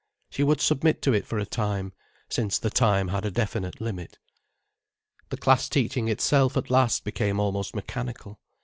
She would submit to it for a time, since the time had a definite limit. The class teaching itself at last became almost mechanical.